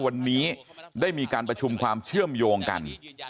วันนี้ได้มีการประชุมความเชื่อมโยงกัน